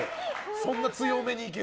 そんな強めにいける。